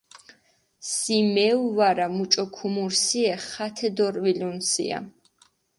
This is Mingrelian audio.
სი მეუ ვარა, მუჭო ქუმურსიე, ხათე დორჸვილუნსია.